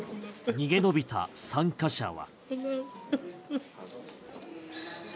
逃げ延びた参加者は。